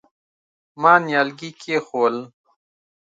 ما نيالګي کېښوول.